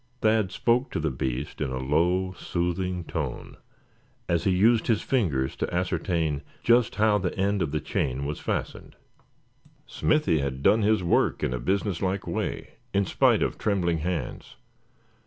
Thad spoke to the beast in a low, soothing tone, as he used his fingers to ascertain just how the end of the chain was fastened. Smithy had done his work in a business like way, in spite of trembling hands.